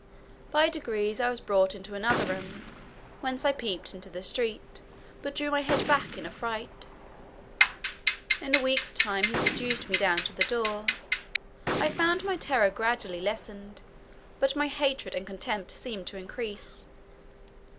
By degrees I was brought into another room, whence I peeped into the street, but drew my head back in a fright. In a week's time he seduced me down to the door. I found my terror gradually lessened, but my hatred and contempt seemed to increase.